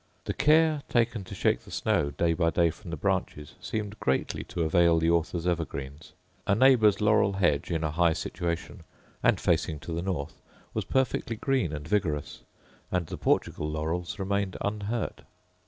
The care taken to shake the snow day by day from the branches seemed greatly to avail the author's evergreens. A neighbour's laurel hedge, in a high situation, and facing to the north, was perfectly green and vigorous; and the Portugal laurels remained unhurt.